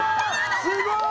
すごーい！